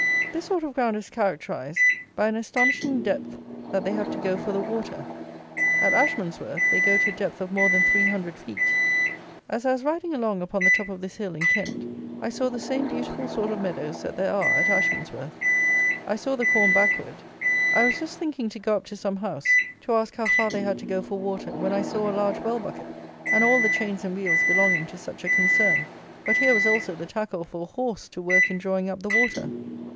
This sort of ground is characterized by an astonishing depth that they have to go for the water. At Ashmansworth, they go to a depth of more than three hundred feet. As I was riding along upon the top of this hill in Kent, I saw the same beautiful sort of meadows that there are at Ashmansworth; I saw the corn backward; I was just thinking to go up to some house, to ask how far they had to go for water, when I saw a large well bucket, and all the chains and wheels belonging to such a concern; but here was also the tackle for a horse to work in drawing up the water!